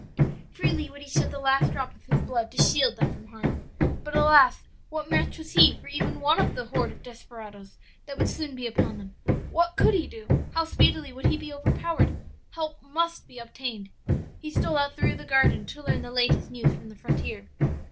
"Freely would he shed the last drop of his blood to shield them from harm, but, alas! what match was he for even one of the horde of desperadoes that would soon be upon them? what could he do? how speedily would he be overpowered! Help must be obtained. "He stole out through the garden to learn the latest news from the frontier.